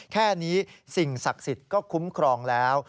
แค่นี้สิ่งศักดิ์สิทธิ์ก็คุ้มครองแล้ว